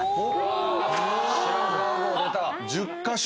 １０カ所。